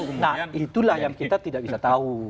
nah itulah yang kita tidak bisa tahu